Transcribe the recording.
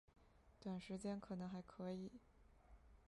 短时间可能还可以